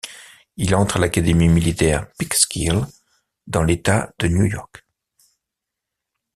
Il entre à l'Académie militaire Peekskill dans l'État de New York.